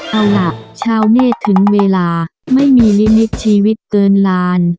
เอาล่ะชาวเนธถึงเวลาไม่มีลิมิตชีวิตเกินล้าน